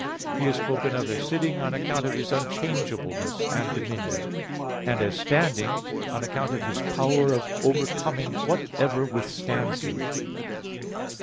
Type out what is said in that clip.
He is spoken of as sitting, on account of His unchangeableness and dominion; and as standing, on account of His power of overcoming whatever withstands Him.